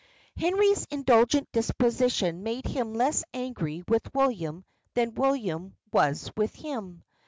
Henry's indulgent disposition made him less angry with William than William was with him.